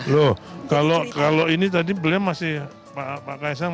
loh kalau ini tadi beliau masih pak kaisang